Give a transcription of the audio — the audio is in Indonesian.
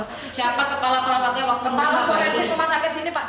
siapa kepala perawatnya